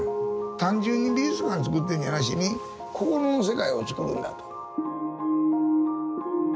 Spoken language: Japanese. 単純に美術館つくってんじゃなしに心の世界をつくるんだと。